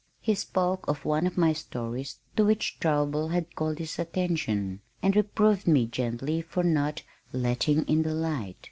He spoke of one of my stories to which Traubel had called his attention, and reproved me gently for not "letting in the light."